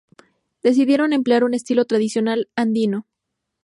Decidieron emplear un estilo tradicional andino.